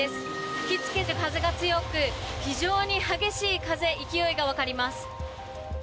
吹きつける風が強く非常に激しい風勢いがわかります。